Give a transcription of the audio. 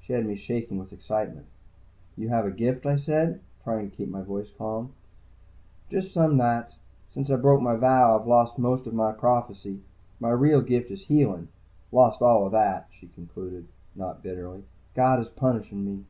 She had me shaking with excitement. "You have a gift?" I said, trying to keep my voice calm. "Just some nights. Since I broke my vow, I've lost most of my prophecy. My real gift is healing. Lost all of that," she concluded, not bitterly. "God is punishing me."